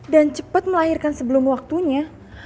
dan cepet melahirkan sebelum waktunya